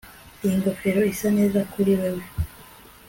iyo ngofero isa neza kuri wewe